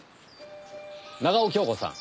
長尾恭子さん。